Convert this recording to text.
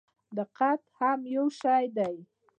دقت هم یو شی دی.